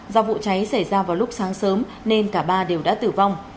do vụ cháy xảy ra vào lúc sáng sớm nên cả ba đều đã tử vong